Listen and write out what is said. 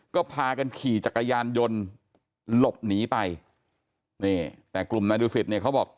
ก็พากันขี่จักรยานยนต์หลบหนีไปนี่แต่กลุ่มนายดูสิตเนี่ยเขาบอก